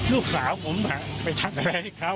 ลูกสาวผมไปทำอะไรให้เขา